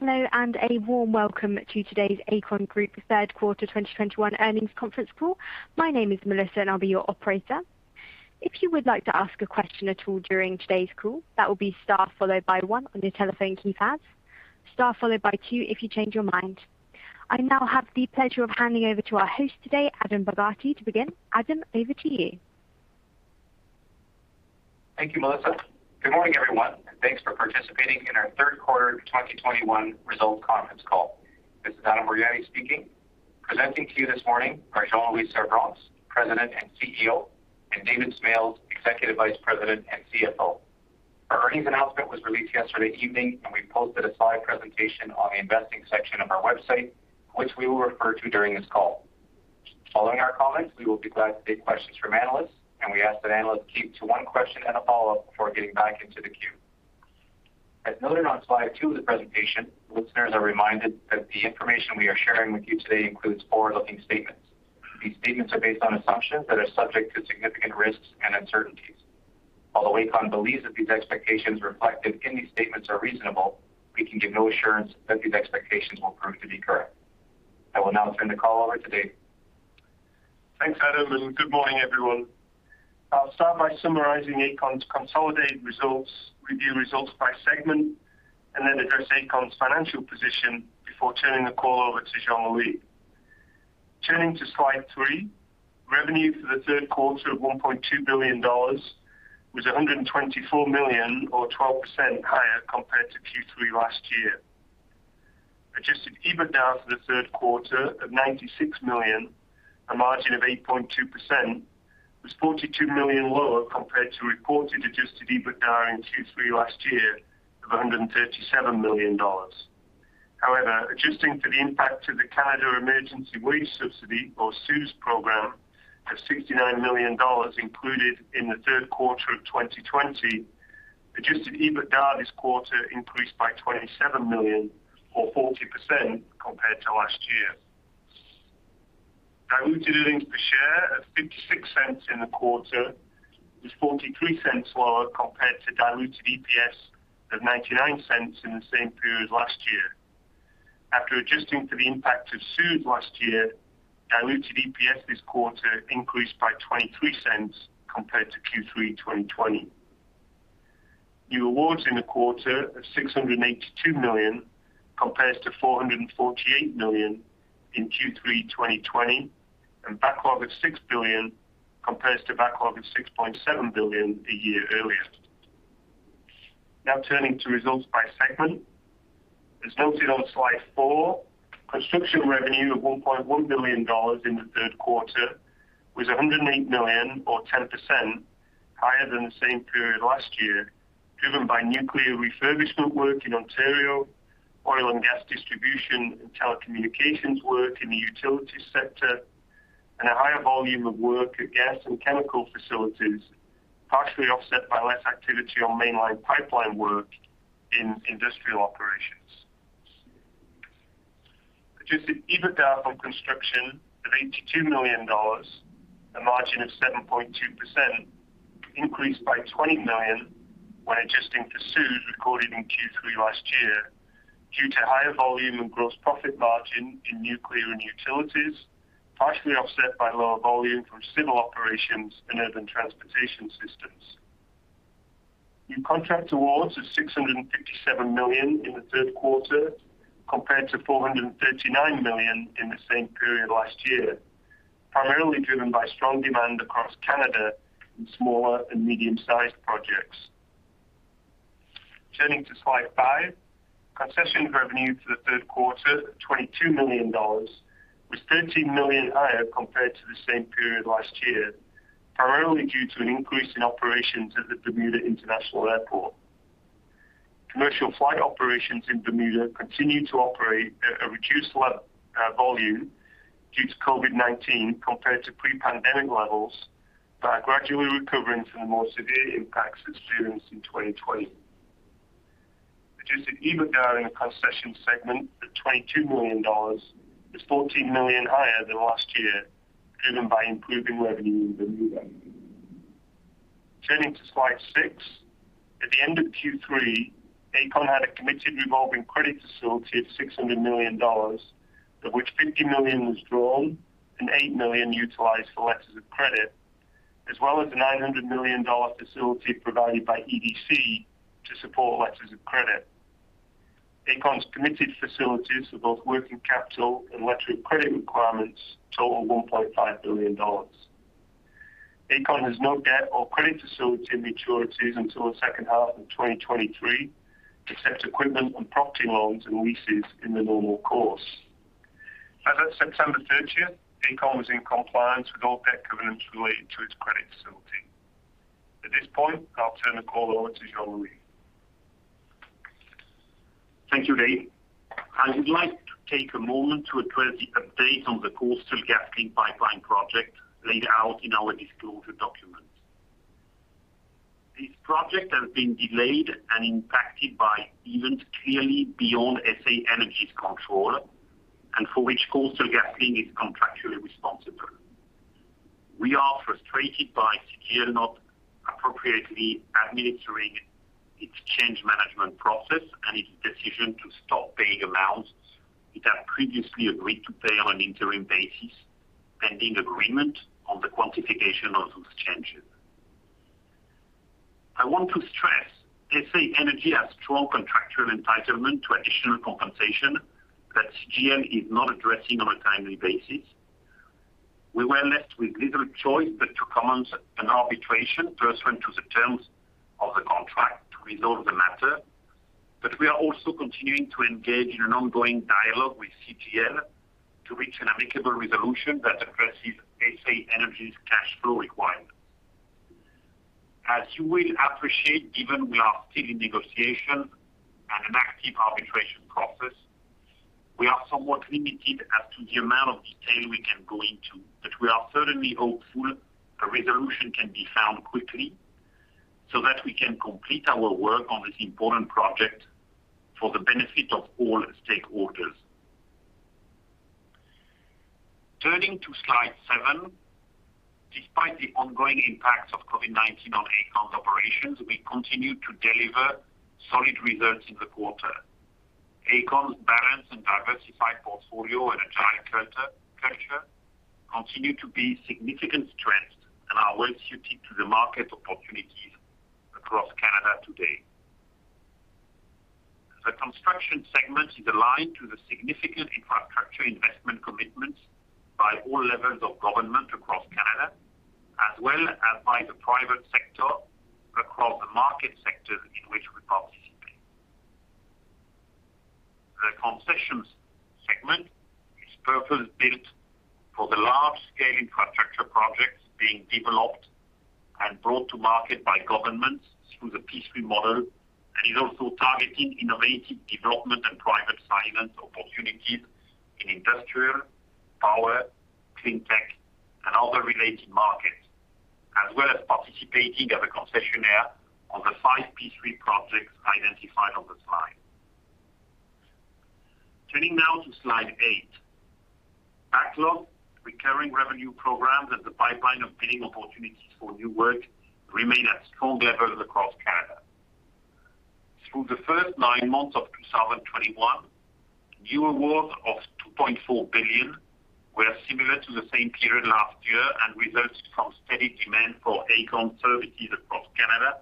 Hello, and a warm welcome to today's Aecon Group Q1 2021 Earnings Conference Call. My name is Melissa, and I'll be your operator. If you would like to ask a question at all during today's call, that will be star followed by one on your telephone keypads, star followed by two if you change your mind. I now have the pleasure of handing over to our host today, Adam Borgatti, to begin. Adam, over to you. Thank you, Melissa. Good morning, everyone, and thanks for participating in our Q1 2021 results conference call. This is Adam Borgatti speaking. Presenting to you this morning are Jean-Louis Servranckx, President and CEO, and David Smales, Executive Vice President and CFO. Our earnings announcement was released yesterday evening, and we posted a slide presentation on the investing section of our website, which we will refer to during this call. Following our comments, we will be glad to take questions from analysts, and we ask that analysts keep to one question and a follow-up before getting back into the queue. As noted on slide 2 of the presentation, listeners are reminded that the information we are sharing with you today includes forward-looking statements. These statements are based on assumptions that are subject to significant risks and uncertainties. While Aecon believes that these expectations reflected in these statements are reasonable, we can give no assurance that these expectations will prove to be correct. I will now turn the call over to Dave. Thanks, Adam, and good morning, everyone. I'll start by summarizing Aecon's consolidated results, review results by segment, and then address Aecon's financial position before turning the call over to Jean-Louis. Turning to slide 3, revenue for the Q1 of 1.2 billion dollars was 124 million or 12% higher compared to Q3 last year. Adjusted EBITDA for the Q1 of 96 million, a margin of 8.2%, was 42 million lower compared to reported adjusted EBITDA in Q3 last year of 137 million dollars. However, adjusting for the impact of the Canada Emergency Wage Subsidy or CEWS program of 69 million dollars included in the Q1 of 2020, adjusted EBITDA this quarter increased by 27 million or 40% compared to last year. Diluted earnings per share of 0.56 in the quarter was 0.43 lower compared to diluted EPS of 0.99 in the same period last year. After adjusting for the impact of CEWS last year, diluted EPS this quarter increased by 0.23 compared to Q3 2020. New awards in the quarter of 682 million compares to 448 million in Q3 2020, and backlog of 6 billion compares to backlog of 6.7 billion a year earlier. Now turning to results by segment. As noted on slide four, construction revenue of 1.1 billion dollars in the Q1 was 108 million or 10% higher than the same period last year, driven by nuclear refurbishment work in Ontario, oil and gas distribution and telecommunications work in the utility sector, and a higher volume of work at gas and chemical facilities, partially offset by less activity on mainline pipeline work in industrial operations. Adjusted EBITDA from construction of 82 million dollars, a margin of 7.2%, increased by 20 million when adjusting for CEWS recorded in Q3 last year due to higher volume and gross profit margin in nuclear and utilities, partially offset by lower volume from civil operations and urban transportation systems. New contract awards of 657 million in the Q1 compared to 439 million in the same period last year, primarily driven by strong demand across Canada in smaller and medium-sized projects. Turning to slide five. Concession revenue for the Q1 of 22 million dollars was 13 million higher compared to the same period last year, primarily due to an increase in operations at the Bermuda International Airport. Commercial flight operations in Bermuda continue to operate at a reduced volume due to COVID-19 compared to pre-pandemic levels, but are gradually recovering from the more severe impacts experienced in 2020. Adjusted EBITDA in the concession segment of 22 million dollars is 14 million higher than last year, driven by improving revenue in Bermuda. Turning to slide six. At the end of Q3, Aecon had a committed revolving credit facility of 600 million dollars, of which 50 million was drawn and 8 million utilized for letters of credit, as well as a 900 million dollar facility provided by EDC to support letters of credit. Aecon's committed facilities for both working capital and letter of credit requirements total 1.5 billion dollars. Aecon has no debt or credit facility maturities until the second half of 2023 except equipment and property loans and leases in the normal course. As at September 30th, Aecon was in compliance with all debt covenants related to its credit facility. At this point, I'll turn the call over to Jean-Louis. Thank you, Dave. I would like to take a moment to address the update on the Coastal GasLink pipeline project laid out in our disclosure document. This project has been delayed and impacted by events clearly beyond SA Energy's control and for which Coastal GasLink is contractually responsible. We are frustrated by CGL not appropriately administering its change management process and its decision to stop paying amounts it had previously agreed to pay on an interim basis, pending agreement on the quantification of those changes. I want to stress SA Energy has strong contractual entitlement to additional compensation that CGL is not addressing on a timely basis. We were left with little choice but to commence an arbitration pursuant to the terms of the contract to resolve the matter. We are also continuing to engage in an ongoing dialogue with CGL to reach an amicable resolution that addresses SA Energy's cash flow requirements. As you will appreciate, given we are still in negotiation and an active arbitration process, we are somewhat limited as to the amount of detail we can go into. We are certainly hopeful a resolution can be found quickly so that we can complete our work on this important project for the benefit of all stakeholders. Turning to slide seven. Despite the ongoing impacts of COVID-19 on Aecon's operations, we continue to deliver solid results in the quarter. Aecon's balanced and diversified portfolio and agile culture continue to be significant strengths and are well-suited to the market opportunities across Canada today. The construction segment is aligned to the significant infrastructure investment commitments by all levels of government across Canada, as well as by the private sector across the market sectors in which we participate. The concessions segment is purpose-built for the large-scale infrastructure projects being developed and brought to market by governments through the P3 model, and is also targeting innovative development and private finance opportunities in industrial, power, clean tech and other related markets, as well as participating as a concessionaire on the five P3 projects identified on the slide. Turning now to slide 8. Backlog, recurring revenue programs and the pipeline of bidding opportunities for new work remain at strong levels across Canada. Through the first nine months of 2021, new awards of 2.4 billion were similar to the same period last year, and resulted from steady demand for Aecon services across Canada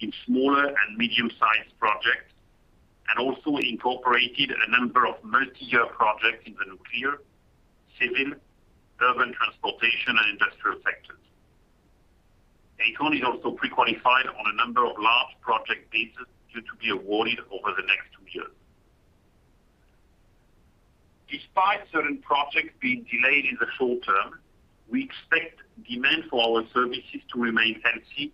in smaller and medium-sized projects, and also incorporated a number of multi-year projects in the nuclear, civil, urban transportation and industrial sectors. Aecon is also pre-qualified on a number of large project pieces due to be awarded over the next 2 years. Despite certain projects being delayed in the short term, we expect demand for our services to remain healthy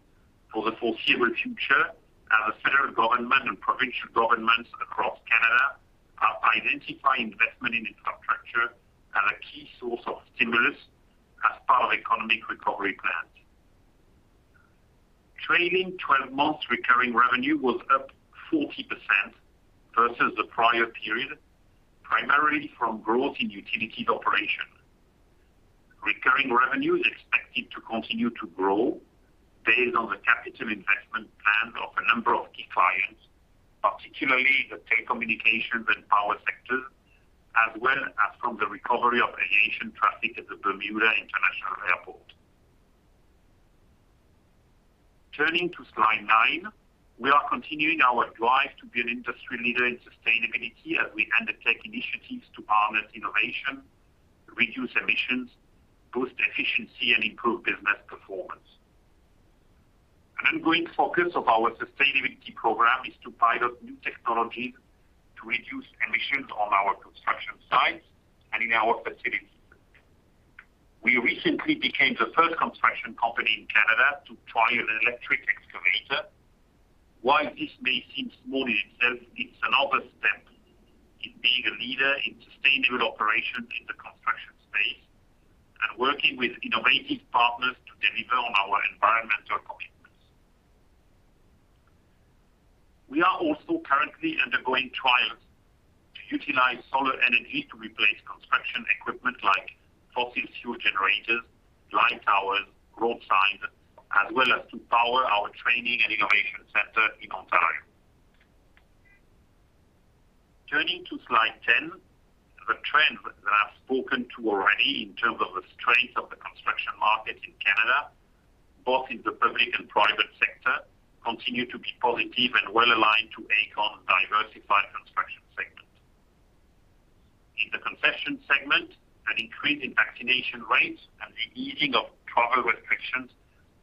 for the foreseeable future as the federal government and provincial governments across Canada are identifying investment in infrastructure as a key source of stimulus as part of economic recovery plans. Trailing 12 months recurring revenue was up 40% versus the prior period, primarily from growth in utilities operation. Recurring revenue is expected to continue to grow based on the capital investment plans of a number of key clients, particularly the telecommunications and power sectors, as well as from the recovery of aviation traffic at the Bermuda International Airport. Turning to slide 9. We are continuing our drive to be an industry leader in sustainability as we undertake initiatives to harness innovation, reduce emissions, boost efficiency and improve business performance. An ongoing focus of our sustainability program is to pilot new technologies to reduce emissions on our construction sites and in our facilities. We recently became the first construction company in Canada to trial an electric excavator. While this may seem small in itself, it's another step in being a leader in sustainable operations in the construction space and working with innovative partners to deliver on our environmental commitments. We are also currently undergoing trials to utilize solar energy to replace construction equipment like fossil fuel generators, light towers, road signs, as well as to power our training and innovation center in Ontario. Turning to Slide 10. The trends that I've spoken to already in terms of the strength of the construction market in Canada, both in the public and private sector, continue to be positive and well-aligned to Aecon's diversified construction segment. In the concession segment, an increase in vaccination rates and the easing of travel restrictions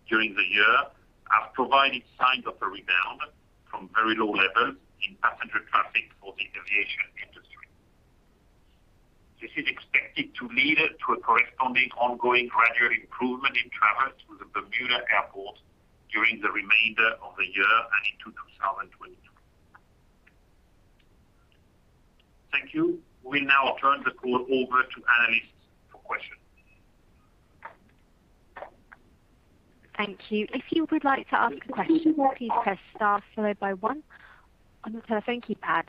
during the year have provided signs of a rebound from very low levels in passenger traffic for the aviation industry. This is expected to lead to a corresponding ongoing gradual improvement in travelers to the Bermuda Airport during the remainder of the year and into 2022. Thank you. We now turn the call over to analysts for questions. Thank you. If you would like to ask a question, please press star followed by one on your telephone keypad.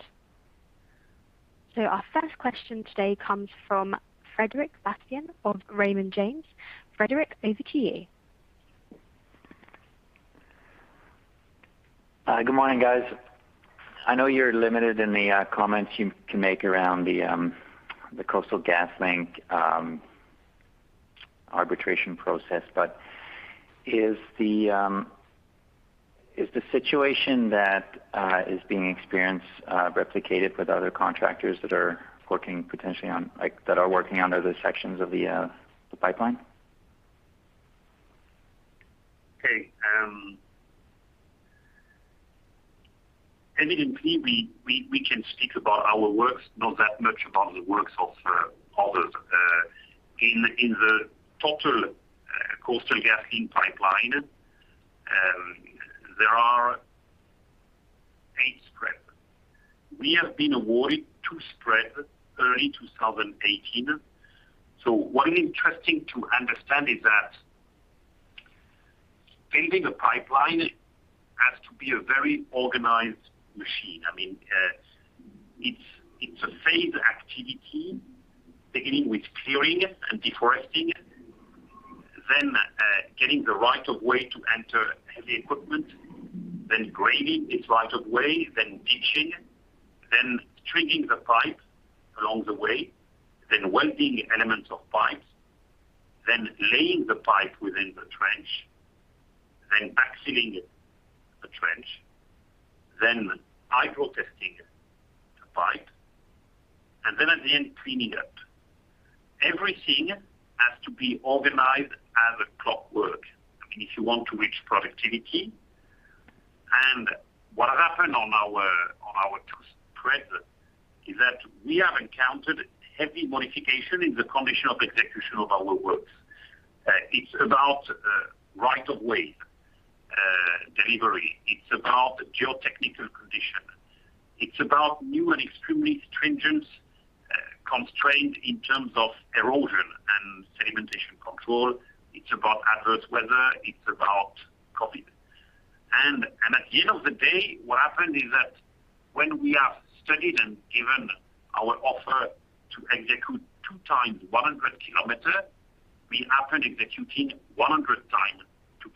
Our first question today comes from Frederic Bastien of Raymond James. Frederic, over to you. Good morning, guys. I know you're limited in the comments you can make around the Coastal GasLink arbitration process. Is the situation that is being experienced replicated with other contractors that are working like on other sections of the pipeline? Okay. I mean, indeed we can speak about our works, not that much about the works of others. In the total Coastal GasLink pipeline, there are 8 spreads. We have been awarded 2 spreads early 2018. What is interesting to understand is that building a pipeline has to be a very organized machine. I mean, it's a phased activity beginning with clearing and deforesting, then getting the right of way to enter heavy equipment, then grading its right of way, then ditching, then treating the pipe along the way, then welding elements of pipes, then laying the pipe within the trench, then backfilling the trench, then hydrotesting the pipe, and then at the end, cleaning up. Everything has to be organized like clockwork, I mean, if you want to reach productivity. What happened on our two spreads is that we have encountered heavy modification in the condition of execution of our works. It's about right-of-way delivery. It's about geotechnical condition. It's about new and extremely stringent constraint in terms of erosion and sedimentation control. It's about adverse weather. It's about COVID. At the end of the day, what happened is that when we have studied and given our offer to execute 2 times 100 km, we are now executing 100 times 2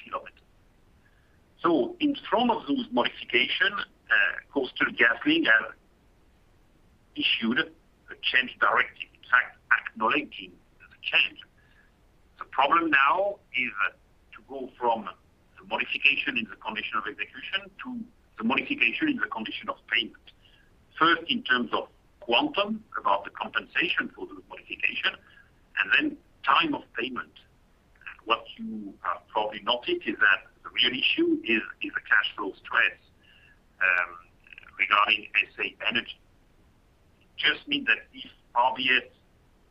km. In front of those modifications, Coastal GasLink issued a change directive, in fact acknowledging the change. The problem now is to go from the modification in the condition of execution to the modification in the condition of payment. First, in terms of quantum, about the compensation for the modification, and then time of payment. What you have probably noted is that the real issue is a cash flow stress regarding SA Energy. I just mean that if RVS,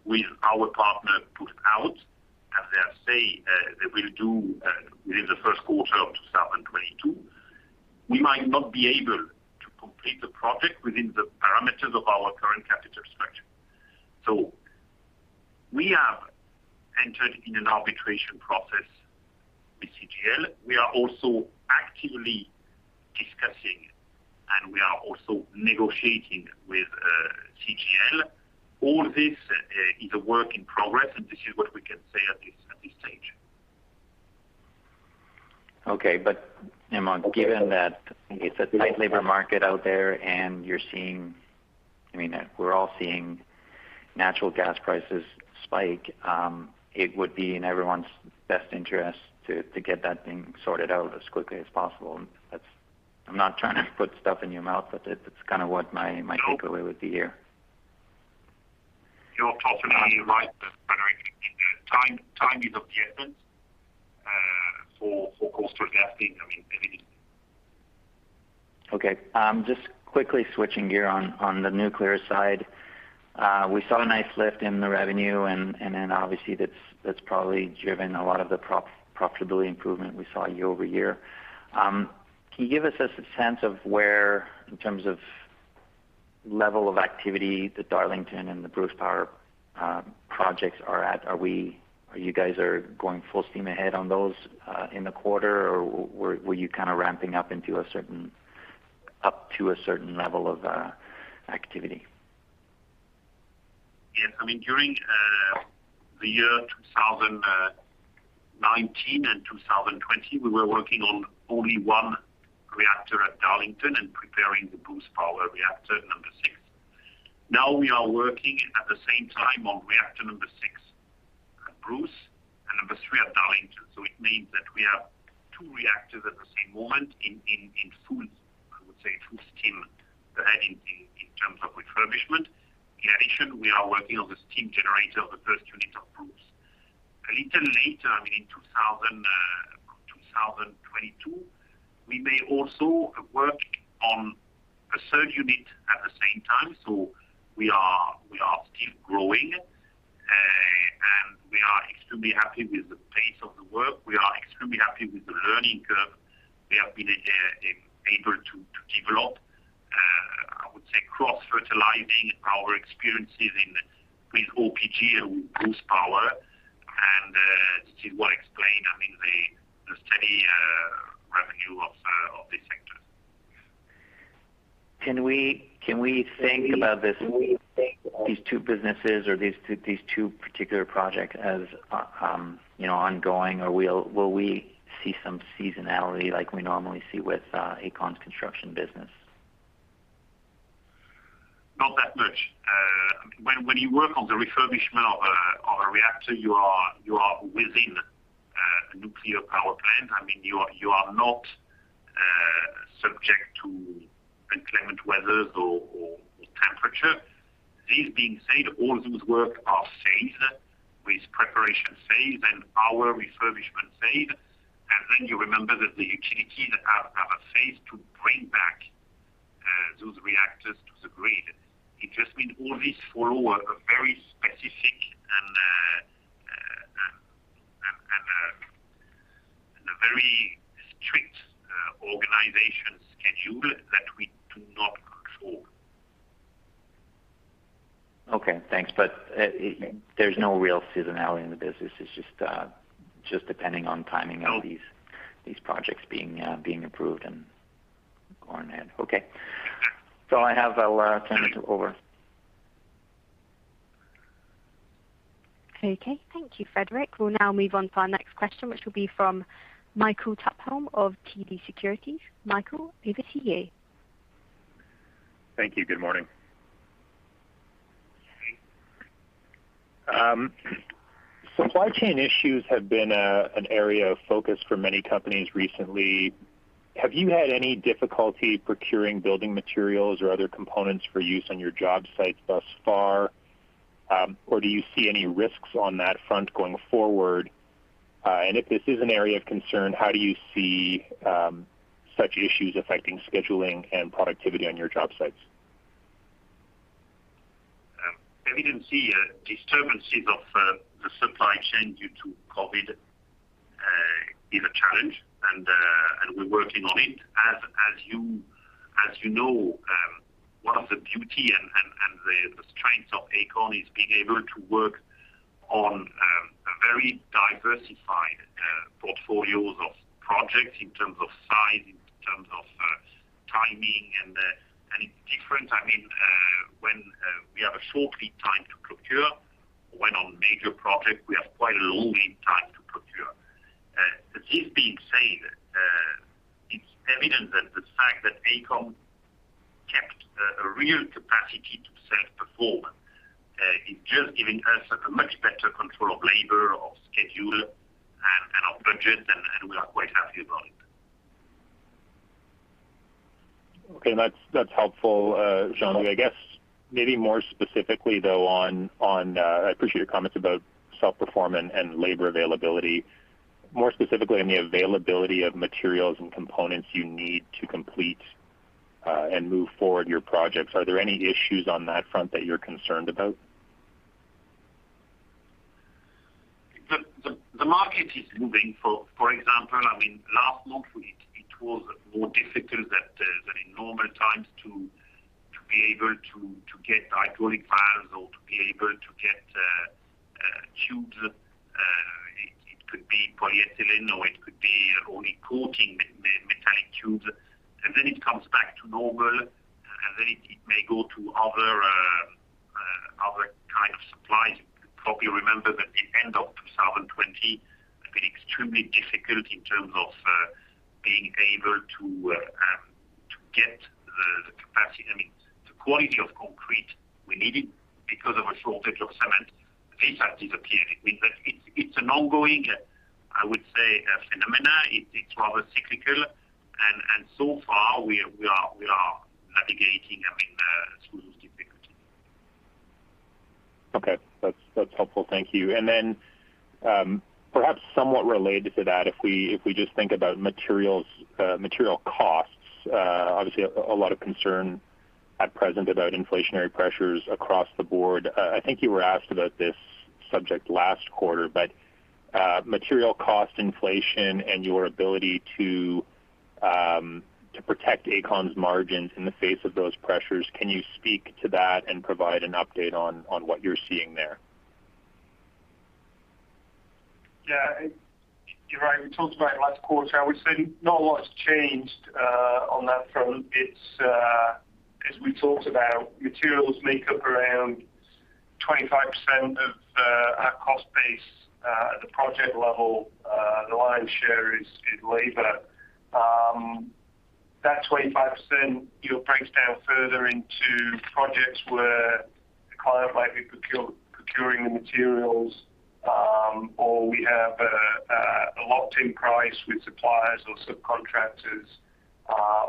with our partner, puts out, as they are saying, they will do, within the Q1 of 2022, we might not be able to complete the project within the parameters of our current capital structure. We have entered in an arbitration process with CGL. We are also actively discussing, and we are also negotiating with, CGL. All this is a work in progress. This is what we can say at this stage. Jean-Louis Servranckx, given that it's a tight labor market out there and you're seeing. I mean, we're all seeing natural gas prices spike, it would be in everyone's best interest to get that thing sorted out as quickly as possible. That's. I'm not trying to put stuff in your mouth, but that's kind of what my takeaway would be here. You're totally right, Frédéric. Time is of the essence for Coastal GasLink. I mean, maybe- Okay. Just quickly switching gear on the nuclear side. We saw a nice lift in the revenue and then obviously that's probably driven a lot of the profitability improvement we saw year-over-year. Can you give us a sense of where in terms of level of activity the Darlington and the Bruce Power projects are at? Are you guys going full steam ahead on those in the quarter? Or were you kind of ramping up to a certain level of activity? Yes. I mean, during the year 2019 and 2020, we were working on only one reactor at Darlington and preparing the Bruce Power reactor number 6. Now we are working at the same time on reactor number six at Bruce and number three at Darlington. It means that we have two reactors at the same moment in full, I would say, full steam ahead in terms of refurbishment. In addition, we are working on the steam generator of the first unit of Bruce. A little later, I mean, in 2022, we may also work on a third unit at the same time. We are still growing. And we are extremely happy with the pace of the work. We are extremely happy with the learning curve we have been able to develop. I would say cross-fertilizing our experiences with OPG and Bruce Power. This is what expect. Can we think about these two businesses or these two particular projects as, you know, ongoing or will we see some seasonality like we normally see with Aecon's construction business? Not that much. When you work on the refurbishment of a reactor, you are within a nuclear power plant. I mean, you are not subject to inclement weather or temperature. This being said, all those work are phased with preparation phase and our refurbishment phase. Then you remember that the utilities have a phase to bring back those reactors to the grid. It just means all these follow a very specific and a very strict organized schedule that we do not control. Okay, thanks. There's no real seasonality in the business. It's just depending on timing of these. No. These projects being approved and going ahead. Okay. I have 10 minutes over. Okay, thank you, Frédéric. We'll now move on to our next question, which will be from Michael Tupholme of TD Securities. Michael, over to you. Thank you. Good morning. Supply chain issues have been an area of focus for many companies recently. Have you had any difficulty procuring building materials or other components for use on your job sites thus far? Or do you see any risks on that front going forward? And if this is an area of concern, how do you see such issues affecting scheduling and productivity on your job sites? We didn't see disturbances of the supply chain due to COVID, which is a challenge, and we're working on it. As you know, one of the beauty and the strengths of Aecon is being able to work on a very diversified portfolios of projects in terms of size, in terms of timing and I mean, when we have a short lead time to procure, when on major projects, we have quite a long lead time to procure. This being said, it's evident that the fact that Aecon kept a real capacity to self-perform is just giving us a much better control of labor, of schedule and our budget, and we are quite happy about it. Okay. That's helpful, Jean-Louis. I guess maybe more specifically, though, on I appreciate your comments about self-perform and labor availability. More specifically on the availability of materials and components you need to complete and move forward your projects. Are there any issues on that front that you're concerned about? The market is moving. For example, I mean, last month it was more difficult than in normal times to be able to get hydraulic valves or to be able to get tubes. It could be polyethylene or it could be only coated metallic tubes. It comes back to normal, and then it may go to other kind of supplies. You probably remember that the end of 2020 have been extremely difficult in terms of being able to get the quality of concrete we needed because of a shortage of cement. These have disappeared. I mean, it's an ongoing, I would say, a phenomenon. It's rather cyclical. So far we are navigating, I mean, through those difficulties. Okay. That's helpful. Thank you. Perhaps somewhat related to that, if we just think about materials, material costs, obviously a lot of concern at present about inflationary pressures across the board. I think you were asked about this subject last quarter, but material cost inflation and your ability to protect Aecon's margins in the face of those pressures. Can you speak to that and provide an update on what you're seeing there? Yeah. You're right. We talked about it last quarter. I would say not a lot has changed on that front. It's as we talked about, materials make up around 25% of our cost base at the project level. The lion's share is labor. That 25%, you know, breaks down further into projects where the client might be procuring the materials, or we have a locked in price with suppliers or subcontractors,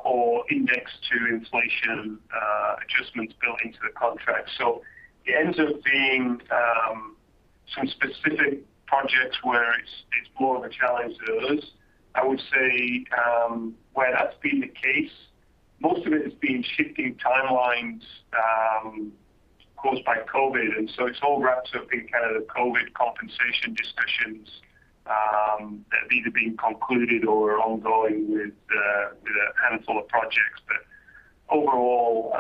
or indexed to inflation adjustments built into the contract. It ends up being some specific projects where it's more of a challenge to us. I would say where that's been the case, most of it has been shifting timelines caused by COVID. It's all wrapped up in kind of the COVID compensation discussions that have either been concluded or are ongoing with a handful of projects. Overall,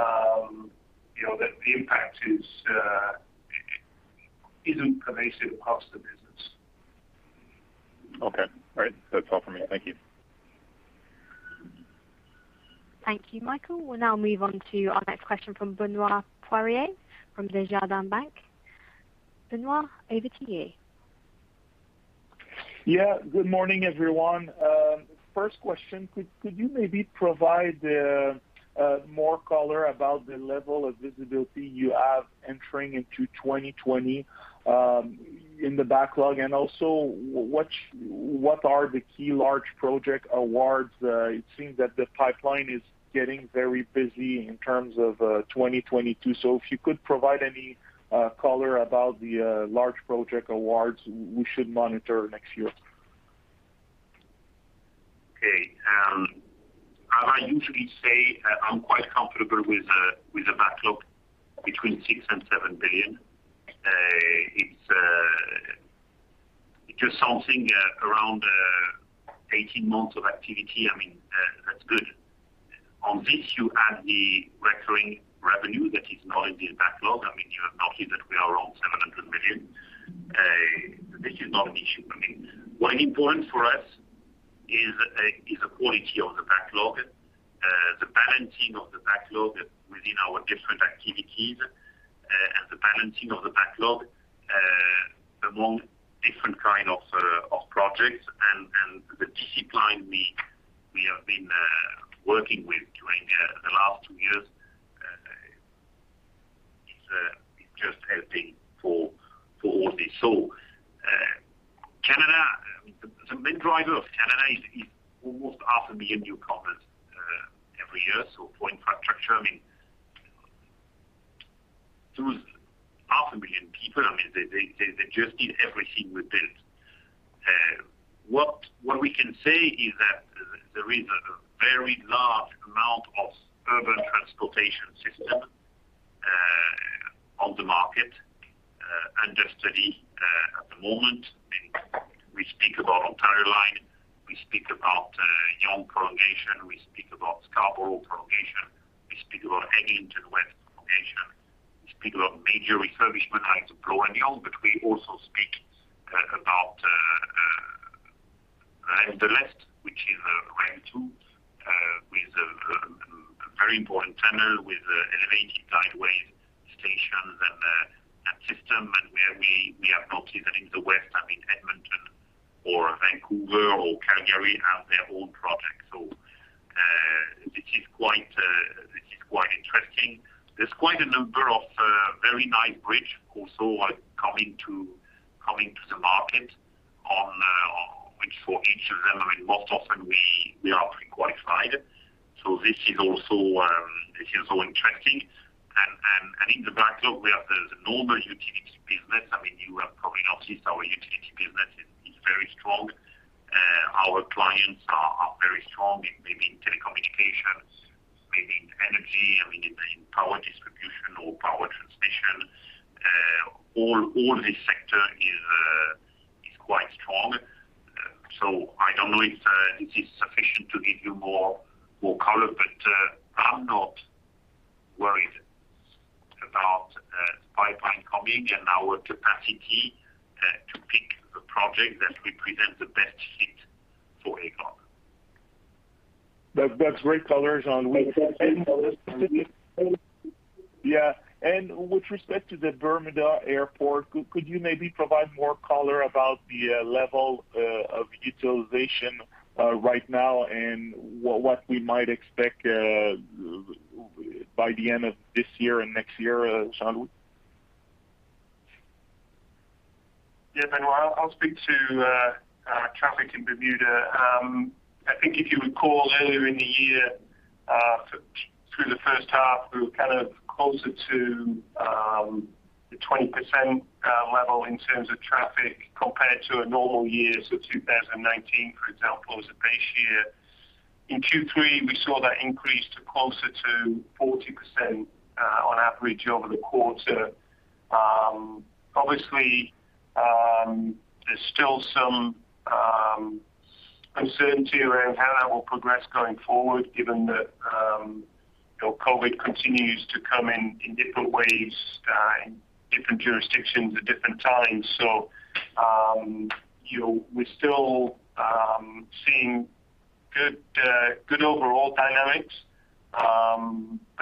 you know, the impact is Isn't pervasive across the business. Okay. All right. That's all for me. Thank you. Thank you, Michael. We'll now move on to our next question from Benoit Poirier from Desjardins Securities. Benoit, over to you. Yeah. Good morning, everyone. First question, could you maybe provide more color about the level of visibility you have entering into 2020 in the backlog? And also, what are the key large project awards? It seems that the pipeline is getting very busy in terms of 2022. If you could provide any color about the large project awards we should monitor next year. Okay. As I usually say, I'm quite comfortable with the backlog between 6 billion-7 billion. It's just something around 18 months of activity. I mean, that's good. On this, you add the recurring revenue that is not in the backlog. I mean, you have noted that we are around 700 million. This is not an issue for me. What is important for us is the quality of the backlog, the balancing of the backlog within our different activities, and the balancing of the backlog among different kind of projects and the discipline we have been working with during the last two years. It's just helping for all this. Canada, I mean, the main driver of Canada is almost half a million newcomers every year. For infrastructure, I mean, there are half a million people. I mean, they just need everything we build. What we can say is that there is a very large amount of urban transportation systems on the market under study at the moment. I mean, we speak about Ontario Line, we speak about Yonge extension, we speak about Scarborough extension, we speak about Eglinton West extension. We speak about major refurbishment like the Bloor and the Yonge, but we also speak about Line Two West, which is a Line Two with a very important tunnel with elevated sideways stations and a system and where we have noticed I think the West, I mean Edmonton or Vancouver or Calgary have their own projects. This is quite interesting. There's quite a number of very nice bridges also are coming to the market on which for each of them, I mean, most often we are pre-qualified. This is also interesting. In the backlog we have the normal utility business. I mean, you have probably noticed our utility business is very strong. Our clients are very strong in, I mean, telecommunications, I mean energy, I mean in power distribution or power transmission. All this sector is quite strong. So I don't know if this is sufficient to give you more color, but I'm not worried about pipeline coming and our capacity to pick the project that represent the best fit for Aecon. That's great color. Yeah. With respect to the Bermuda Airport, could you maybe provide more color about the level of utilization right now and what we might expect by the end of this year and next year, Jean-Louis? Yeah. Benoit, I'll speak to traffic in Bermuda. I think if you recall earlier in the year, through the first half, we were kind of closer to the 20% level in terms of traffic compared to a normal year, 2019, for example, as a base year. In Q3, we saw that increase to closer to 40% on average over the quarter. Obviously, there's still some uncertainty around how that will progress going forward given that, you know, COVID continues to come in in different waves in different jurisdictions at different times. You know, we're still seeing good overall dynamics.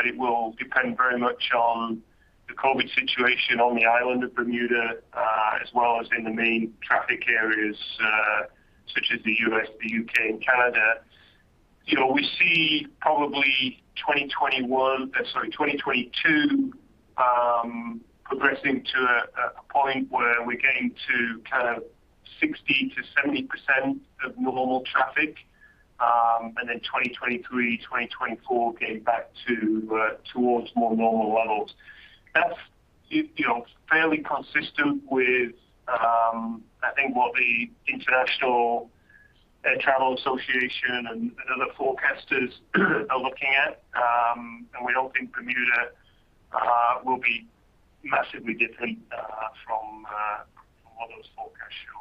It will depend very much on the COVID situation on the island of Bermuda, as well as in the main traffic areas, such as the US, the UK and Canada. You know, we see probably 2022 progressing to a point where we're getting to kind of 60% to 70% of normal traffic. 2023, 2024 getting back towards more normal levels. That's you know, fairly consistent with I think what the International Air Transport Association and other forecasters are looking at. We don't think Bermuda will be massively different from what those folks are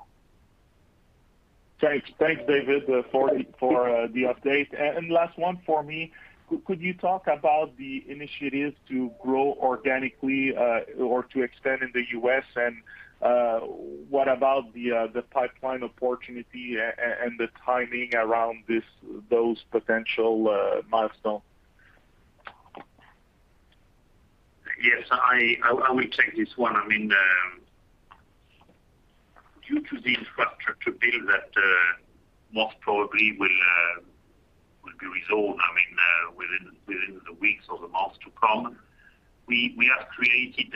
seeing. Thanks. Thanks, David, for the update. Last one for me. Could you talk about the initiatives to grow organically or to expand in the US and what about the pipeline opportunity and the timing around those potential milestones? Yes, I will take this one. I mean, due to the infrastructure bill that most probably will be resolved, I mean, within the weeks or the months to come, we have created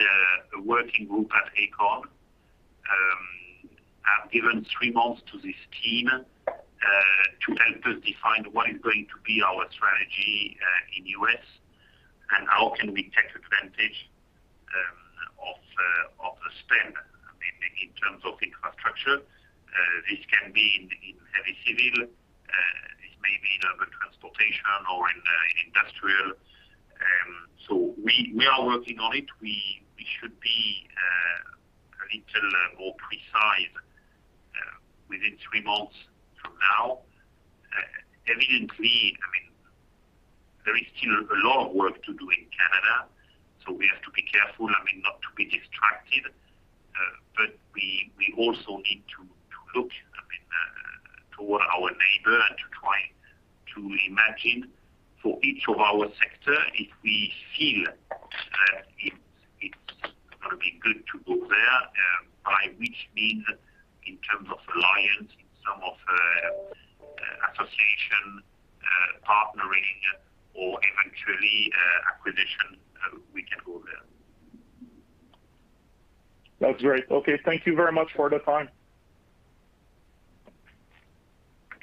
a working group at Aecon. I've given three months to this team to help us define what is going to be our strategy in US and how can we take advantage of the spend, I mean, in terms of infrastructure. This can be in heavy civil. This may be in other transportation or in industrial. We are working on it. We should be a little more precise within three months from now. Evidently, I mean, there is still a lot of work to do in Canada, so we have to be careful, I mean, not to be distracted, but we also need to look, I mean, toward our neighbor and to try to imagine for each of our sector, if we feel that it's gonna be good to go there, by which means in terms of alliance in some of association, partnering or eventually acquisition, we can go there. That's great. Okay, thank you very much for the time.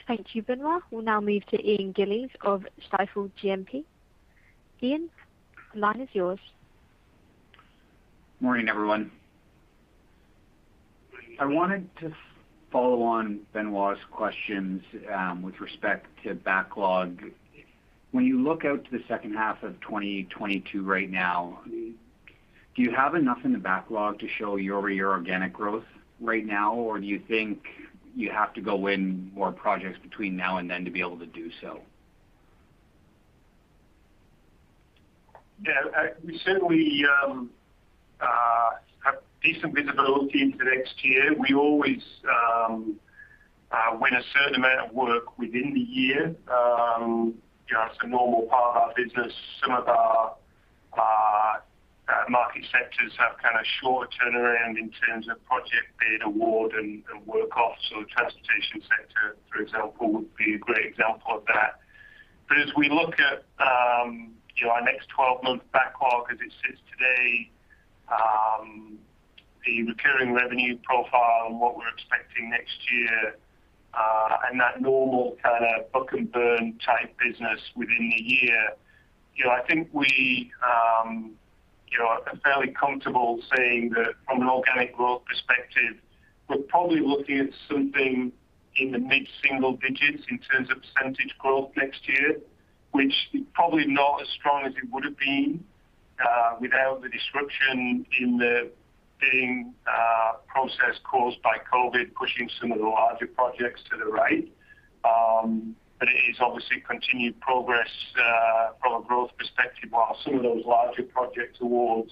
Thank you, Benoit. We'll now move to Ian Gillies of Stifel GMP. Ian, the line is yours. Morning, everyone. I wanted to follow on Benoit's questions with respect to backlog. When you look out to the second half of 2022 right now, do you have enough in the backlog to show year-over-year organic growth right now? Or do you think you have to go win more projects between now and then to be able to do so? Yeah, we certainly have decent visibility into next year. We always win a certain amount of work within the year. You know, that's a normal part of our business. Some of our market sectors have kind of shorter turnaround in terms of project bid, award, and work off. Transportation sector, for example, would be a great example of that. As we look at, you know, our next twelve-month backlog as it sits today, the recurring revenue profile and what we're expecting next year, and that normal kind of book and burn type business within a year, you know, I think we, you know, are fairly comfortable saying that from an organic growth perspective, we're probably looking at something in the mid-single digits in terms of percentage growth next year, which is probably not as strong as it would have been, without the disruption in the bidding process caused by COVID pushing some of the larger projects to the right. It is obviously continued progress, from a growth perspective, while some of those larger project awards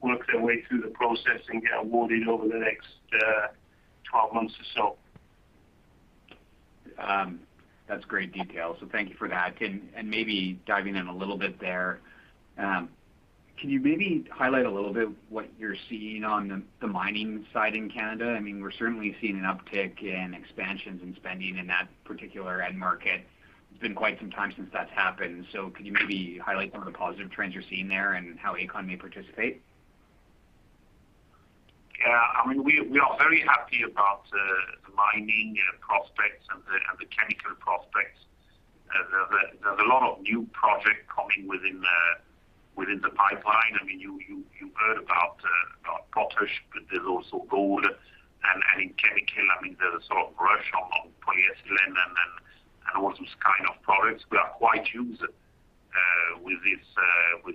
work their way through the process and get awarded over the next twelve months or so. That's great detail. So thank you for that. Maybe diving in a little bit there, can you maybe highlight a little bit what you're seeing on the mining side in Canada? I mean, we're certainly seeing an uptick in expansions and spending in that particular end market. It's been quite some time since that's happened. Can you maybe highlight some of the positive trends you're seeing there and how Aecon may participate? Yeah. I mean, we are very happy about the mining, you know, prospects and the chemical prospects. There, there's a lot of new project coming within the pipeline. I mean, you heard about potash, but there's also gold. In chemical, I mean, there's a sort of rush on polyethylene and all those kind of products. We are quite used with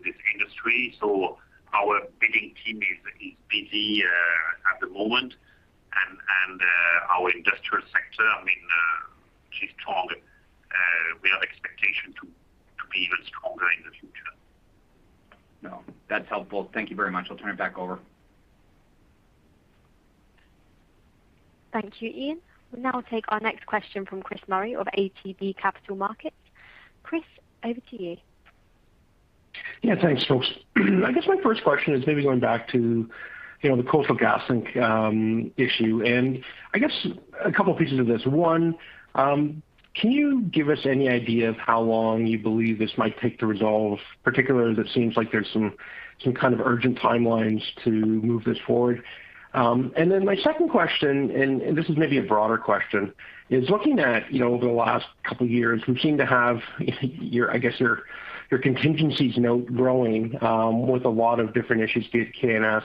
this industry, so our bidding team is busy at the moment. Our industrial sector, I mean, is strong with expectation to be even stronger in the future. No, that's helpful. Thank you very much. I'll turn it back over. Thank you, Ian. We'll now take our next question from Chris Murray of ATB Capital Markets. Chris, over to you. Yeah, thanks, folks. I guess my first question is maybe going back to, you know, the Coastal GasLink issue. I guess a couple of pieces of this. One, can you give us any idea of how long you believe this might take to resolve, particularly as it seems like there's some kind of urgent timelines to move this forward? My second question, and this is maybe a broader question, is looking at, you know, over the last couple of years, you seem to have your, I guess, your contingencies outgrowing with a lot of different issues, be it KNS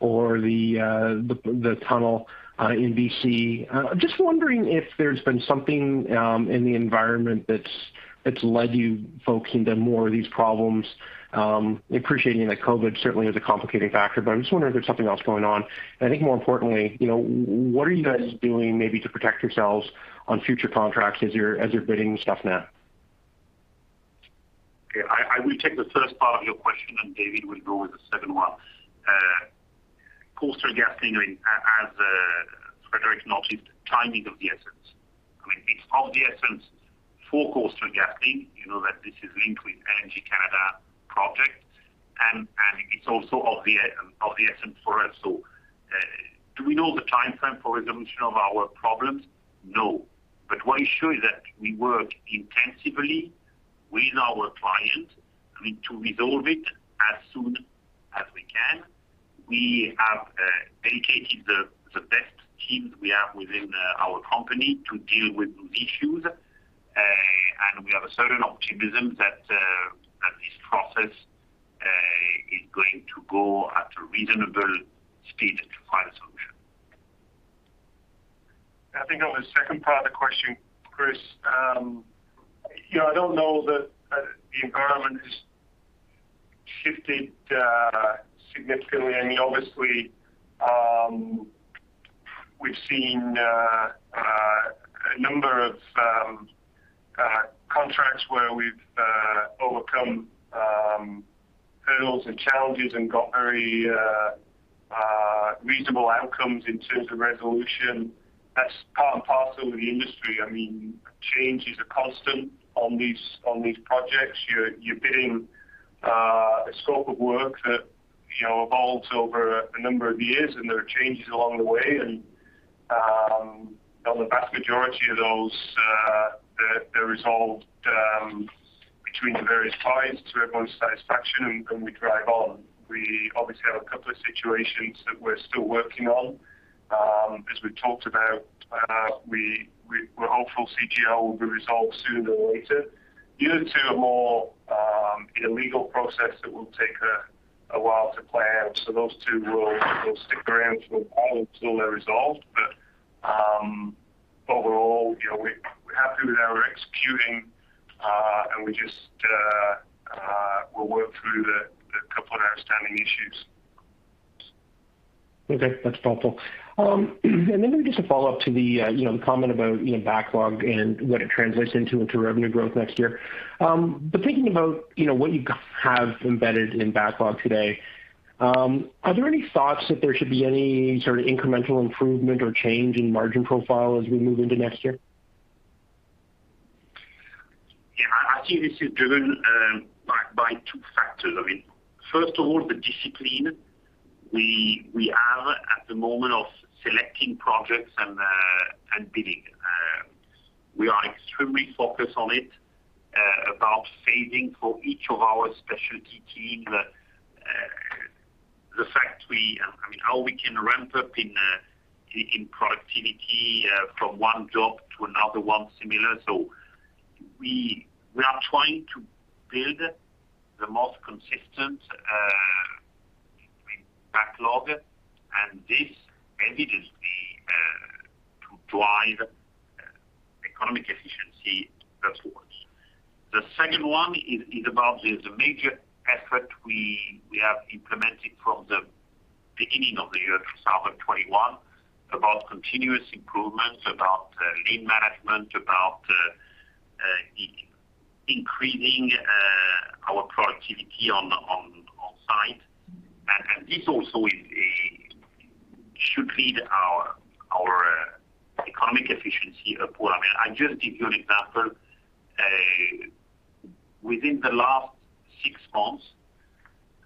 or the tunnel in BC. Just wondering if there's been something in the environment that's led you folks into more of these problems, appreciating that COVID certainly is a complicated factor, but I'm just wondering if there's something else going on. I think more importantly, you know, what are you guys doing maybe to protect yourselves on future contracts as you're bidding stuff now? Okay. I will take the first part of your question, and David will go with the second one. Coastal GasLink, I mean, as Frédéric noted, timing of the essence. I mean, it's of the essence for Coastal GasLink, you know that this is linked with LNG Canada project, and it's also of the essence for us. Do we know the timeframe for resolution of our problems? No. What is sure is that we work intensively with our client, I mean, to resolve it as soon as we can. We have dedicated the best teams we have within our company to deal with those issues, and we have a certain optimism that this process is going to go at a reasonable speed to find a solution. I think on the second part of the question, Chris, you know, I don't know that the environment has shifted significantly. I mean, obviously, we've seen a number of contracts where we've overcome hurdles and challenges and got very reasonable outcomes in terms of resolution. That's part and parcel of the industry. I mean, changes are constant on these projects. You're bidding a scope of work that, you know, evolves over a number of years, and there are changes along the way. The vast majority of those they're resolved between the various parties to everyone's satisfaction, and we drive on. We obviously have a couple of situations that we're still working on. As we talked about, we're hopeful CGL will be resolved sooner than later. The other two are more, you know, legal process that will take a while to play out. Those two will stick around for a while until they're resolved. Overall, you know, we're happy with our executing, and we just we'll work through the couple of outstanding issues. Okay. That's helpful. Then maybe just a follow-up to the, you know, comment about, you know, backlog and what it translates into revenue growth next year. Thinking about, you know, what you have embedded in backlog today, are there any thoughts that there should be any sort of incremental improvement or change in margin profile as we move into next year? Yeah. I think this is driven by two factors. I mean, first of all, the discipline. We are at the moment of selecting projects and bidding. We are extremely focused on savings for each of our specialty teams, how we can ramp up in productivity from one job to another one similar. So we are trying to build the most consistent backlog, and this is evidence of the drive to economic efficiency upwards. The second one is about the major effort we have implemented from the beginning of the year 2021 about continuous improvements, about lean management, about increasing our productivity on site. This also should lead our economic efficiency upward. I mean, I just give you an example. Within the last six months,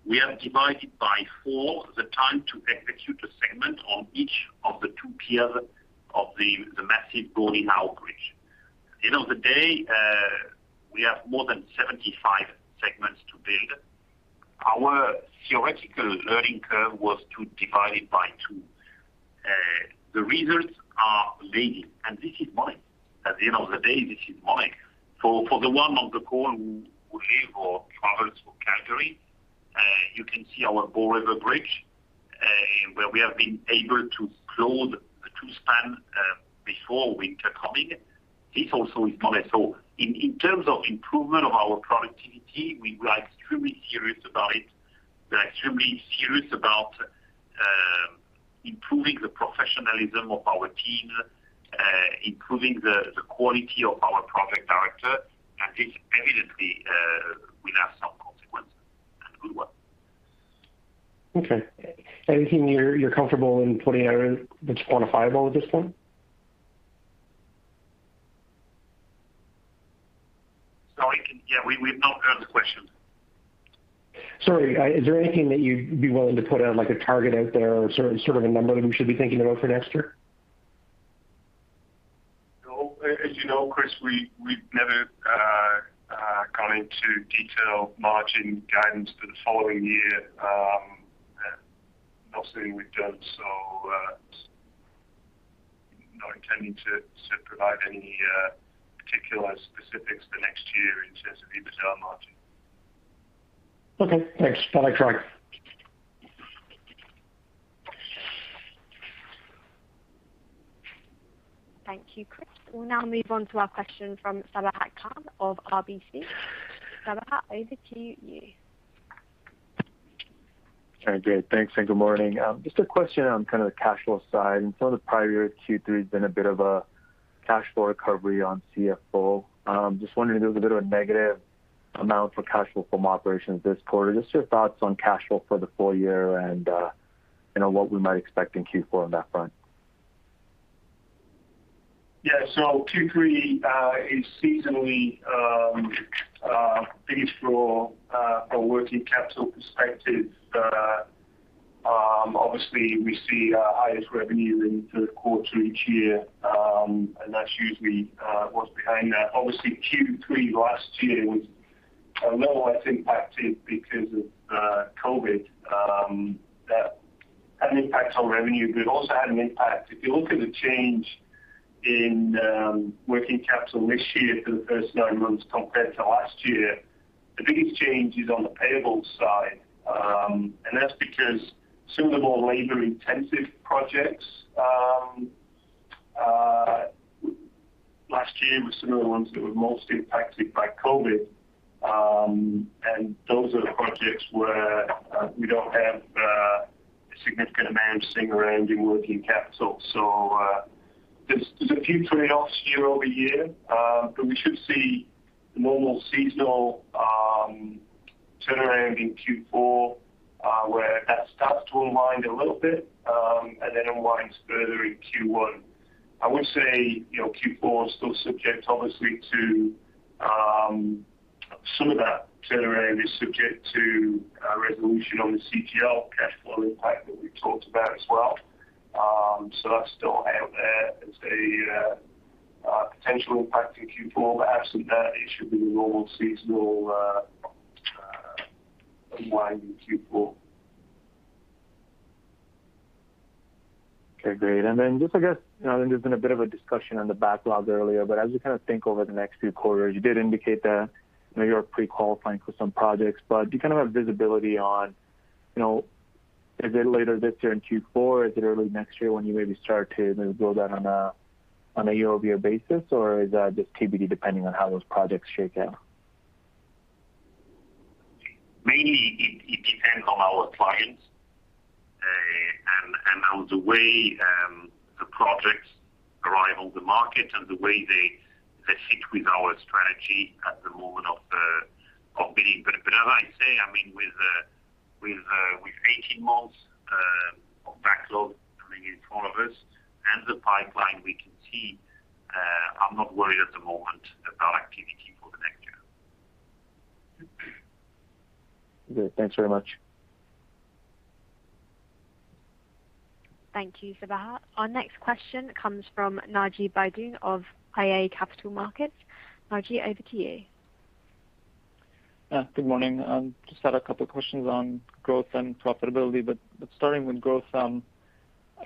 we have divided by four the time to execute a segment on each of the two piers of the massive Gordie Howe International Bridge. At the end of the day, we have more than 75 segments to build. Our theoretical learning curve was to divide it by two. The results are exceeding, and this is money. At the end of the day, this is money. For the one of the call who lives or travels to Calgary, you can see our Bow River Bridge, and where we have been able to close the two spans before winter coming. This also is money. In terms of improvement of our productivity, we are extremely serious about it. We are extremely serious about improving the professionalism of our team, improving the quality of our project director, and this evidently will have some consequences and good ones. Okay. Anything you're comfortable in putting out that's quantifiable at this point? Sorry. Yeah, we've not heard the question. Sorry. Is there anything that you'd be willing to put out, like a target out there or sort of a number that we should be thinking about for next year? No. As you know, Chris, we've never gone into detailed margin guidance for the following year. Not saying we've done so, not intending to provide any particular specifics for next year in terms of EBITDA margin. Okay. Thanks. Bye-bye, Troy. Thank you, Chris. We'll now move on to our question from Sabahat Khan of RBC. Sabahat, over to you. Okay, great. Thanks, and good morning. Just a question on kind of the cash flow side. In some of the prior years, Q3 has been a bit of a cash flow recovery on CFO. Just wondering, there was a bit of a negative amount for cash flow from operations this quarter. Just your thoughts on cash flow for the full year and, you know, what we might expect in Q4 on that front. Yeah. Q3 is seasonally big for a working capital perspective. Obviously we see our highest revenue in the quarter each year, and that's usually what's behind that. Obviously, Q3 last year was a little less impacted because of COVID. That had an impact on revenue, but it also had an impact. If you look at the change in working capital this year for the first nine months compared to last year, the biggest change is on the payables side. That's because some of the more labor-intensive projects last year were some of the ones that were most impacted by COVID. Those are the projects where we don't have a significant amount sitting around in working capital. There's a few trade-offs year-over-year. We should see the normal seasonal turnaround in Q4, where that starts to unwind a little bit, and then unwinds further in Q1. I would say, you know, Q4 is still subject obviously to some of that turnaround is subject to a resolution on the CGL cash flow impact that we talked about as well. That's still out there as a potential impact in Q4. Absent that, it should be the normal seasonal unwind in Q4. Okay, great. Then just, I guess, you know, there's been a bit of a discussion on the backlogs earlier, but as you kind of think over the next few quarters, you did indicate that, you know, you're pre-qualifying for some projects. Do you kind of have visibility on, you know, is it later this year in Q4? Is it early next year when you maybe start to build out on a year-over-year basis? Is that just TBD depending on how those projects shake out? Mainly it depends on our clients, and the way the projects arrive on the market and the way they fit with our strategy at the moment of bidding. As I say, I mean, with 18 months of backlog coming in front of us and the pipeline we can see, I'm not worried at the moment about activity for the next year. Good. Thanks very much. Thank you, Sabahat. Our next question comes from Naji Baydoun of iA Capital Markets. Naji, over to you. Good morning. Just had a couple of questions on growth and profitability. Starting with growth, I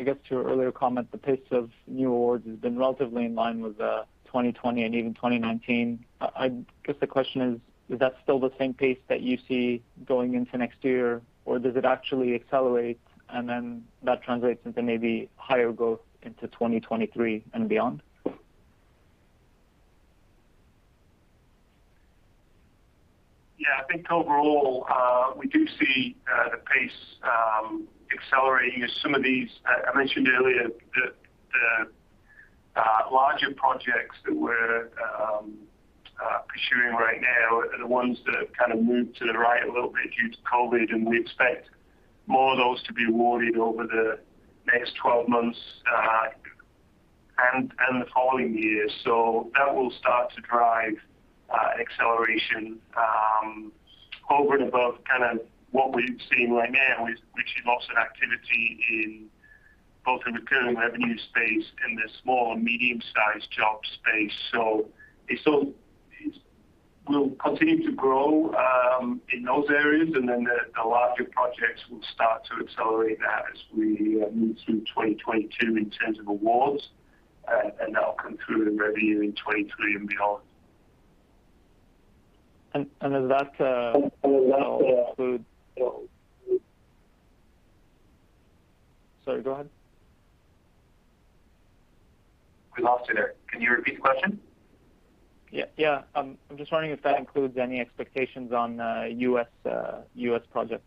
guess to your earlier comment, the pace of new awards has been relatively in line with 2020 and even 2019. I guess the question is: Is that still the same pace that you see going into next year? Does it actually accelerate and then that translates into maybe higher growth into 2023 and beyond? Yeah. I think overall, we do see the pace accelerating as some of these I mentioned earlier the larger projects that we're pursuing right now are the ones that have kind of moved to the right a little bit due to COVID, and we expect more of those to be awarded over the next 12 months, and the following year. So that will start to drive acceleration over and above kinda what we've seen right now, which is lots of activity in both the recurring revenue space and the small and medium sized job space. So it's all. We'll continue to grow in those areas, and then the larger projects will start to accelerate that as we move through 2022 in terms of awards, and that'll come through the revenue in 2023 and beyond. Does that Does that? Sorry, go ahead. We lost you there. Can you repeat the question? Yeah, I'm just wondering if that includes any expectations on US projects?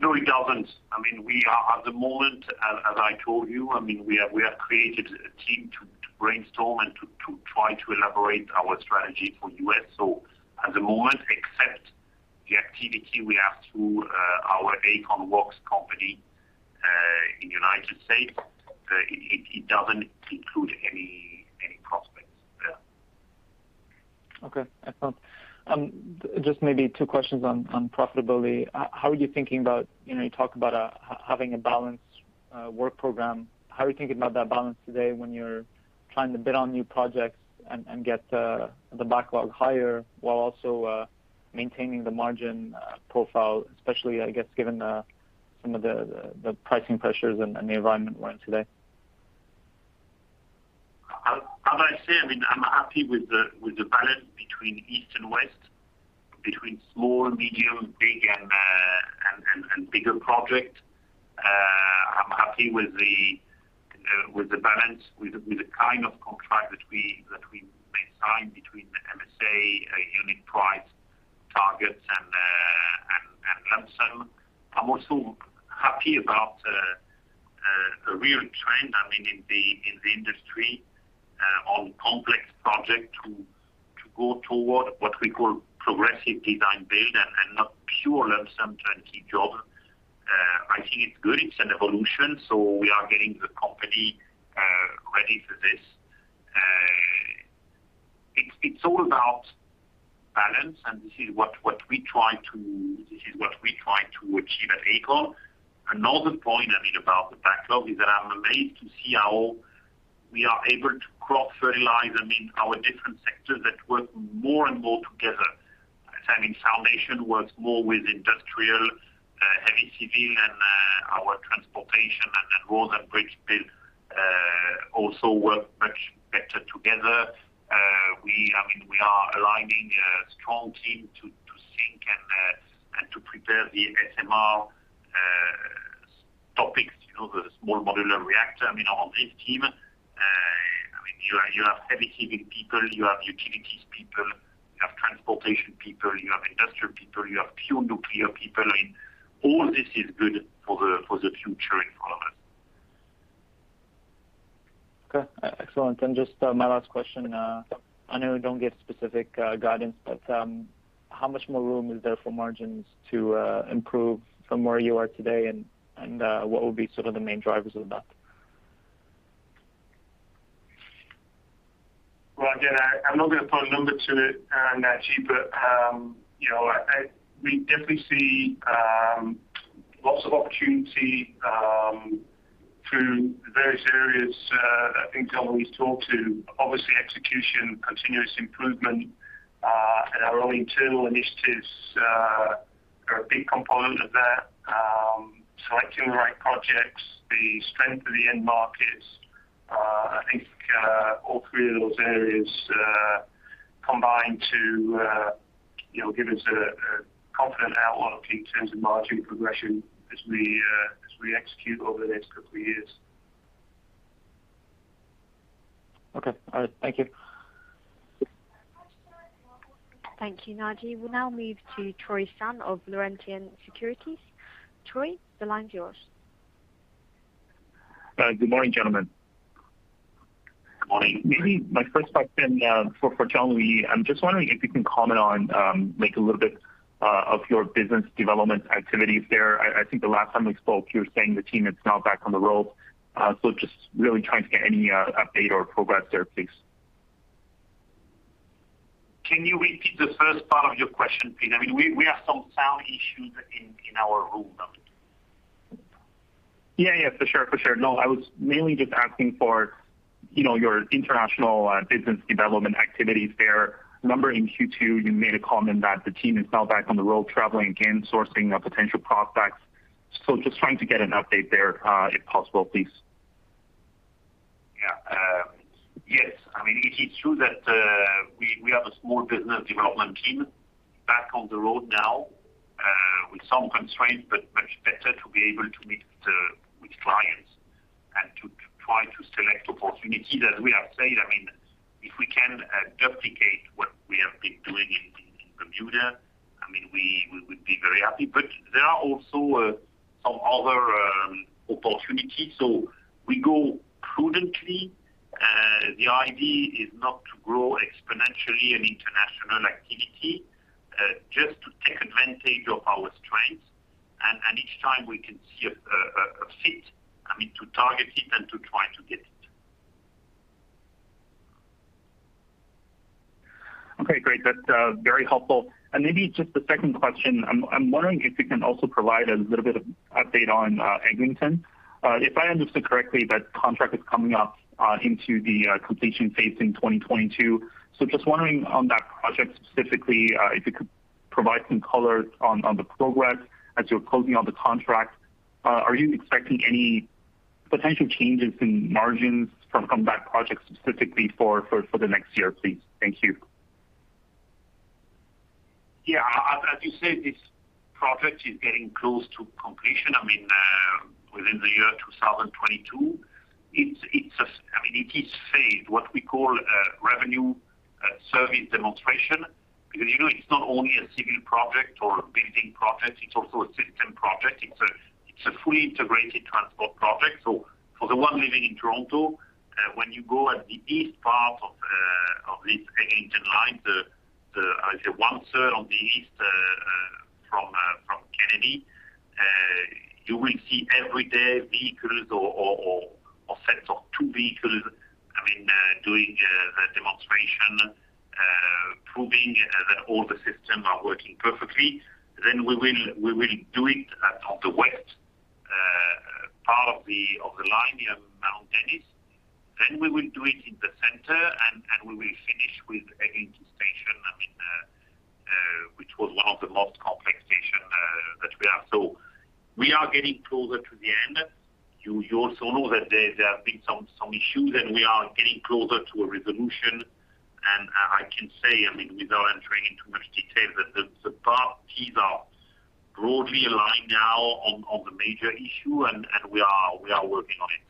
No, it doesn't. I mean, we are at the moment, as I told you, I mean, we have created a team to brainstorm and to try to elaborate our strategy for US At the moment, except the activity we have through our Aecon-Wachs company in United States, it doesn't include any prospects there. Okay. Excellent. Just maybe two questions on profitability. How are you thinking about you talk about having a balanced work program. How are you thinking about that balance today when you're trying to bid on new projects and get the backlog higher while also maintaining the margin profile, especially, I guess, given some of the pricing pressures and the environment we're in today? I mean, I'm happy with the balance between East and West, between small, medium, big and bigger project. I'm happy with the balance with the kind of contract that we may sign between the MSA, unit price targets and lump sum. I'm also happy about a real trend, I mean, in the industry, on complex project to go toward what we call progressive design-build and not pure lump sum turnkey job. I think it's good, it's an evolution, so we are getting the company ready for this. It's all about balance, and this is what we try to achieve at Aecon. Another point, I mean, about the backlog is that I'm amazed to see how we are able to cross-fertilize, I mean, our different sectors that work more and more together. I mean, foundation works more with industrial, heavy civil and our transportation and roads and bridge build also work much better together. We, I mean, we are aligning a strong team to think and to prepare the SMR topics. You know, the small modular reactor, I mean, on this team. I mean, you have heavy civil people, you have utilities people, you have transportation people, you have industrial people, you have pure nuclear people. I mean, all this is good for the future in front of us. Okay. Excellent. Just my last question, I know you don't give specific guidance, but how much more room is there for margins to improve from where you are today and what would be sort of the main drivers of that? Well, again, I'm not gonna put a number to it, Naji, but, you know, we definitely see lots of opportunity through the various areas I think Jean-Louis talked to. Obviously execution, continuous improvement, and our own internal initiatives are a big component of that. Selecting the right projects, the strength of the end markets, I think, all three of those areas combine to, you know, give us a confident outlook in terms of margin progression as we execute over the next couple of years. Okay. All right. Thank you. Thank you, Naji. We'll now move to Troy Sun of Laurentian Bank Securities. Troy, the line's yours. Good morning, gentlemen. Morning. Maybe my first question for Jean-Louis. I'm just wondering if you can comment on maybe a little bit of your business development activities there. I think the last time we spoke you were saying the team is now back on the road. So just really trying to get any update or progress there, please. Can you repeat the first part of your question, please? I mean, we have some sound issues in our room. Yeah, for sure. No, I was mainly just asking for, you know, your international business development activities there. Remember in Q2 you made a comment that the team is now back on the road traveling again, sourcing potential prospects. So just trying to get an update there, if possible, please. Yeah. Yes. I mean, it is true that we have a small business development team back on the road now with some constraints, but much better to be able to meet with clients and to try to select opportunities. As we have said, I mean, if we can duplicate what we have been doing in Bermuda, I mean, we would be very happy. But there are also some other opportunities. We go prudently. The idea is not to grow exponentially in international activity, just to take advantage of our strengths and each time we can see a fit, I mean, to target it and to try to get it. Okay, great. That's very helpful. Maybe just a second question. I'm wondering if you can also provide a little bit of update on Eglinton. If I understood correctly that contract is coming up into the completion phase in 2022. Just wondering on that project specifically if you could provide some color on the progress as you're closing out the contract. Are you expecting any potential changes in margins from that project specifically for the next year, please? Thank you. Yeah. As you said, this project is getting close to completion. I mean, within the year 2022. I mean, it's what we call a revenue service demonstration, because, you know, it's not only a civil project or a building project, it's also a system project. It's a fully integrated transport project. For anyone living in Toronto, when you go to the east part of this Eglinton line, I say one third on the east from Kennedy, you will see every day vehicles or sets of two vehicles, I mean, doing the demonstration proving that all the systems are working perfectly. Then we will do it at the west part of the line near Mount Dennis. We will do it in the center, and we will finish with a. We are getting closer to the end. You also know that there have been some issues, and we are getting closer to a resolution. I can say, I mean, without entering into much detail, that the parties are broadly aligned now on the major issue and we are working on it.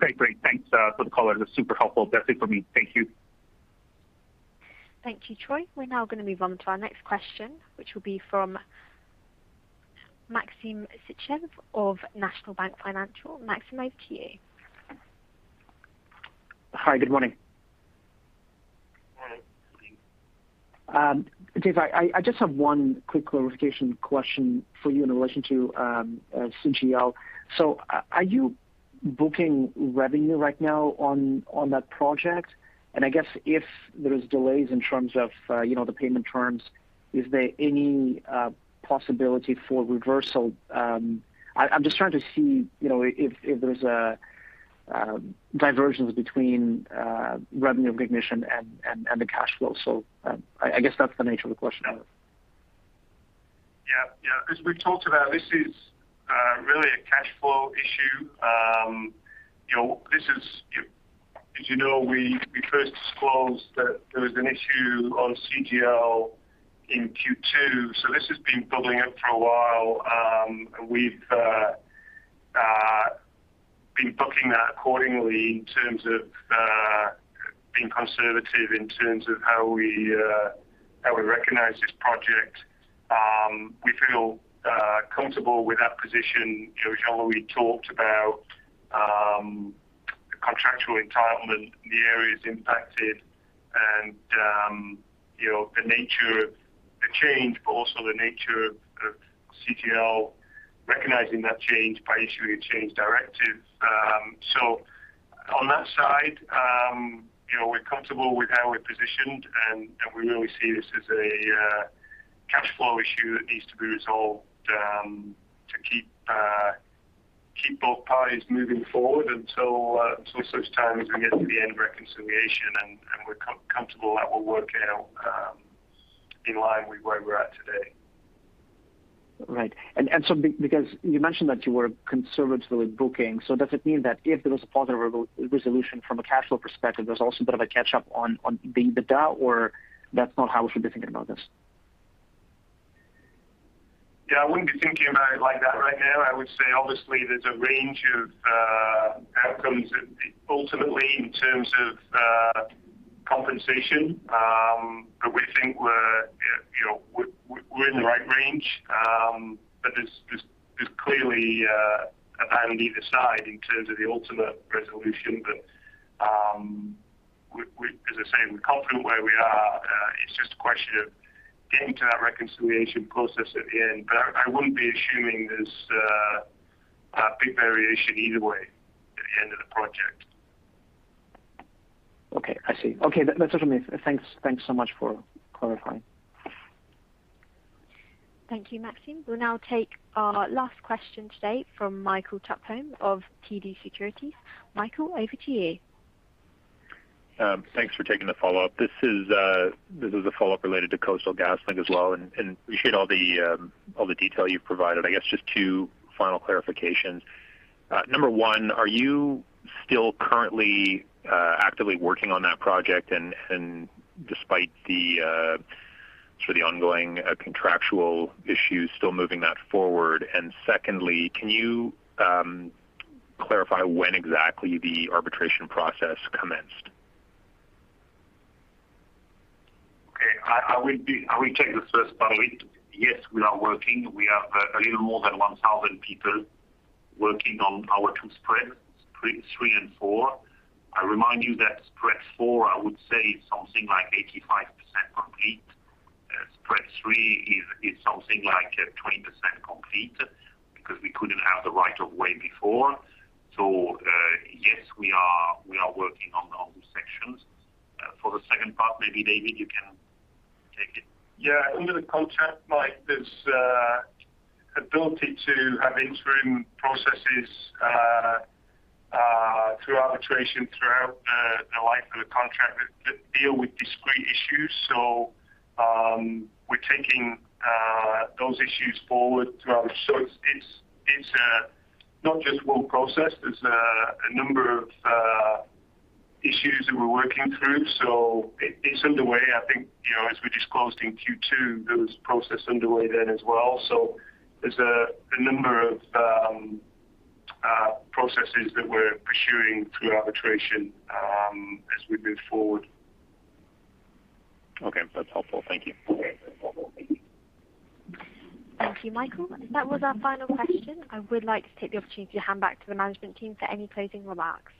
Okay, great. Thanks for the call. It was super helpful. That's it for me. Thank you. Thank you, Troy. We're now gonna move on to our next question, which will be from Maxim Sytchev of National Bank Financial. Maxim, over to you. Hi, good morning. Morning. Dave, I just have one quick clarification question for you in relation to CGL. Are you booking revenue right now on that project? I guess if there is delays in terms of you know the payment terms, is there any possibility for reversal? I'm just trying to see you know if there's a divergence between revenue recognition and the cash flow. I guess that's the nature of the question I have. Yeah. Yeah. As we've talked about, this is really a cash flow issue. You know, this is. As you know, we first disclosed that there was an issue on CGL in Q2, so this has been bubbling up for a while. We've been booking that accordingly in terms of being conservative in terms of how we recognize this project. We feel comfortable with that position, you know, how we talked about the contractual entitlement and the areas impacted and you know, the nature of the change, but also the nature of CGL recognizing that change by issuing a change directive. On that side, you know, we're comfortable with how we're positioned and we really see this as a cash flow issue that needs to be resolved to keep both parties moving forward until such time as we get to the end of reconciliation and we're comfortable that we'll work out in line with where we're at today. Because you mentioned that you were conservatively booking, so does it mean that if there was a positive resolution from a cash flow perspective, there's also a bit of a catch-up on the delta, or that's not how we should be thinking about this? Yeah. I wouldn't be thinking about it like that right now. I would say, obviously, there's a range of outcomes ultimately in terms of compensation, but we think we're, you know, we're in the right range. There's clearly a value on either side in terms of the ultimate resolution. As I say, we're confident where we are. It's just a question of getting to that reconciliation process at the end. I wouldn't be assuming there's a big variation either way at the end of the project. Okay. I see. Okay. That, that's what I mean. Thanks. Thanks so much for clarifying. Thank you, Maxim. We'll now take our last question today from Michael Tupholme of TD Securities. Michael, over to you. Thanks for taking the follow-up. This is a follow-up related to Coastal GasLink as well, and appreciate all the detail you've provided. I guess just two final clarifications. Number one, are you still currently actively working on that project and despite the sort of ongoing contractual issues still moving that forward? Secondly, can you clarify when exactly the arbitration process commenced? I will take the first part of it. Yes, we are working. We have a little more than 1,000 people working on our two spreads, spread three and four. I remind you that spread four, I would say something like 85% complete. Spread three is something like 20% complete because we couldn't have the right of way before. Yes, we are working on those sections. For the second part, maybe David, you can take it. Yeah. Under the contract, Mike, there's ability to have interim processes through arbitration throughout the life of the contract that deal with discrete issues. We're taking those issues forward throughout. It's not just one process. There's a number of issues that we're working through, so it's underway. I think, you know, as we disclosed in Q2, there was a process underway then as well. There's a number of processes that we're pursuing through arbitration as we move forward. Okay. That's helpful. Thank you. Okay. That's helpful. Thank you. Thank you, Michael. That was our final question. I would like to take the opportunity to hand back to the management team for any closing remarks.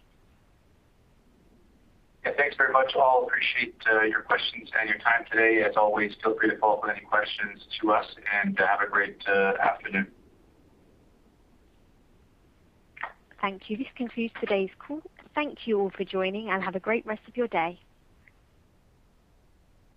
Yeah. Thanks very much all. Appreciate your questions and your time today. As always, feel free to follow up with any questions to us and have a great afternoon. Thank you. This concludes today's call. Thank you all for joining, and have a great rest of your day.